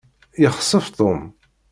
Yexsef Tom.